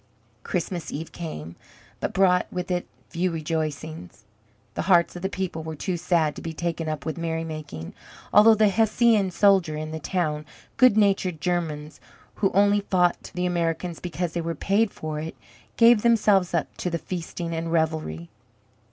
Christmas Eve came, but brought with it few rejoicings. The hearts of the people were too sad to be taken up with merrymaking, although the Hessian soldiers in the town, good natured Germans, who only fought the Americans because they were paid for it, gave themselves up to the feasting and revelry.